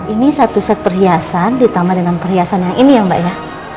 ini satu set perhiasan ditambah dengan perhiasan yang ini ya mbak ya